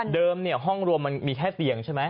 เดิมเนี่ยห้องรวมมันมีแค่เตียงใช่ไหม